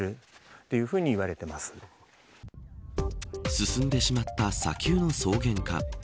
進んでしまった砂丘の草原化。